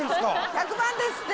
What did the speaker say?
１００万円ですって！